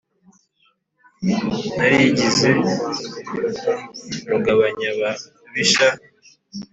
narigize rugabanyababisha.